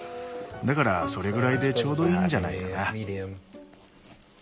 だからそれぐらいでちょうどいいんじゃないかな。